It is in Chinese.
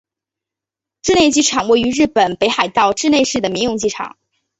稚内机场一个位于日本北海道稚内市的民用机场。